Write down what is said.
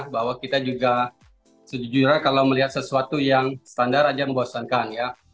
bahwa kita juga setuju kalau melihat sesuatu yang standar aja membosankan ya